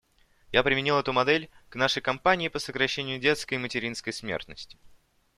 Я применил эту модель к нашей кампании по сокращению детской и материнской смертности.